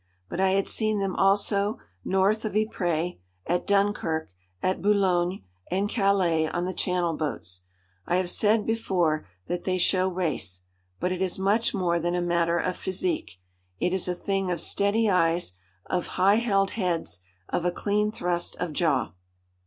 But I had seen them also north of Ypres, at Dunkirk, at Boulogne and Calais, on the Channel boats. I have said before that they show race. But it is much more than a matter of physique. It is a thing of steady eyes, of high held heads, of a clean thrust of jaw.